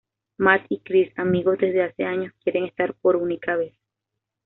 Matt y Kris, amigos desde hace años, quieren estar por única vez.